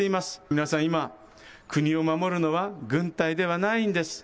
皆さん今、国を守るのは軍隊ではないんです。